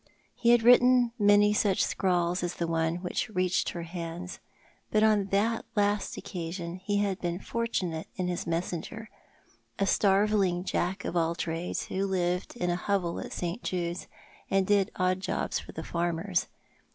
He had written many such scrawls as the one which reached her hands — but on that last occasion he had been fortunate in his messenger, a starveling Jack of all trades who lived in a hovel at St. Jude's, and did odd jobs for the farmers.